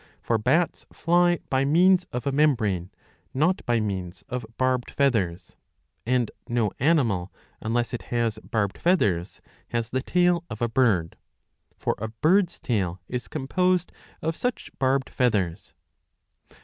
For bats fly by means of a membrane, not by means of barbed feathers ; and no animal unless it has barbed feathers has the tail of a bird ; for a bird's tail is composed of such barbed feathers.